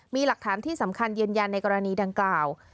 มีหลักฐานที่สำคัญยืนยันในกรณีดังกล่าว